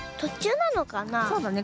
そうだね。